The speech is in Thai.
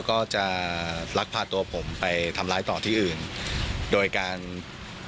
ก็รักพาตัวผมไปทำร้ายต่อที่อื่นโดยการบังคับให้ผม